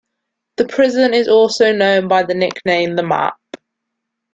The prison is also known by the nickname 'The Map'.